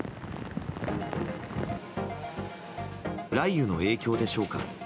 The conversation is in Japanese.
雷雨の影響でしょうか。